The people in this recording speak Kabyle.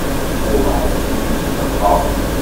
Yella weḥd-s di tzeqqa.